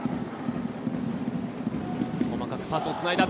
細かくパスをつなげた。